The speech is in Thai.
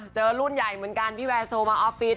เจอรุ่นใหญ่เหมือนกันพี่แวร์โซมาออฟฟิศ